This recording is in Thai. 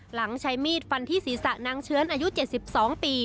ใช้มีดฟันที่ศีรษะนางเชื้อนอายุ๗๒ปี